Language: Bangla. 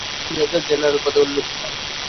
তিনি মেজর-জেনারেল পদে উন্নীত হন।